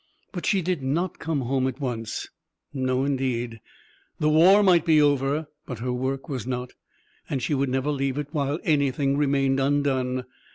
But she did not come home at once; no indeed! The war might be over, but her work was not, and she would never leave it while anything remained undone.